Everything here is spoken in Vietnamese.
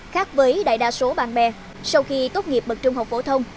khác với đại đa số bạn bè sau khi tốt nghiệp bậc trung học phổ thông